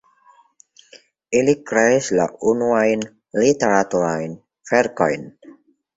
Ili kreis la unuajn literaturajn verkojn.